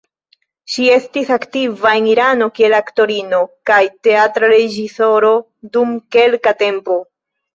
Ŝi estis aktiva en Irano kiel aktorino kaj teatra reĝisoro dum kelka tempo.